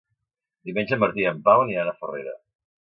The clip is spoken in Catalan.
Diumenge en Martí i en Pau aniran a Farrera.